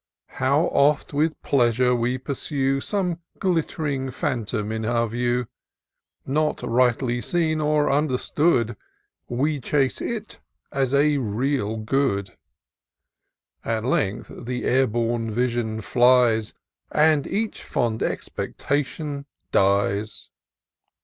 How oft, with pleasure, we pursue Some glitt'ring phantom in our view ! Not rightly seen or understood. We chase it as a real good : At length the air bom vision flies. And each fond expectation dies